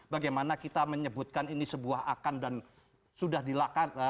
bagaimana kita menyebutkan ini sebuah akan dan sudah dilakukan